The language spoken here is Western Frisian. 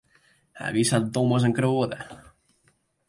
Hy wie sa dom as in kroade.